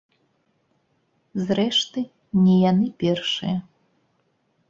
Зрэшты, не яны першыя.